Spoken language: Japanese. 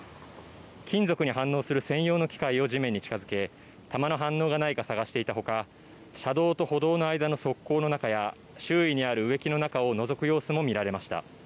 金属に反応する専用の機械を地面に近づけ、弾の反応がないか探していたほか、車道と歩道の間の側溝の中や、周囲にある植木の中をのぞく様子も見られました。